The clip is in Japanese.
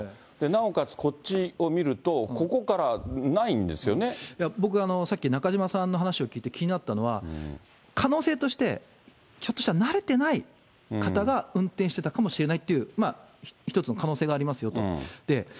なおかつ、こっちを見ると、僕、さっき中島さんの話を聞いて、気になったのは、可能性として、ひょっとしたら慣れてない方が運転してたかもしれないっていう、一つの可能性がありますよと。